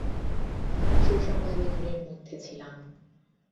সেই সময় আমি ঘোরের মধ্যে ছিলাম।